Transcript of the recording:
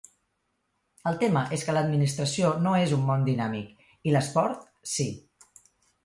El tema és que l'administració no és un món dinàmic i l'esport, sí.